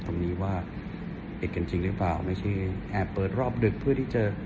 ตรงนี้ว่าปิดกันจริงหรือเปล่าไม่ใช่แอบเปิดรอบดึกเพื่อที่จะ